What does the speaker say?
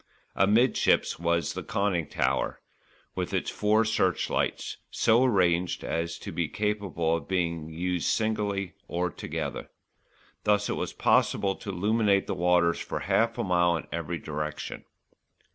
Amidships was the conning tower, with its four searchlights, so arranged as to be capable of being used singly or together. Thus it was possible to illuminate the waters for half a mile in every direction.